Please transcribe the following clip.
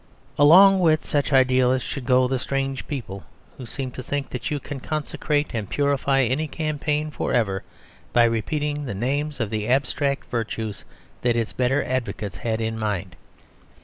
Along with such idealists should go the strange people who seem to think that you can consecrate and purify any campaign for ever by repeating the names of the abstract virtues that its better advocates had in mind.